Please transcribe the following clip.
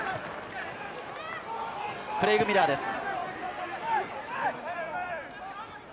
クレイグ・ミラーです。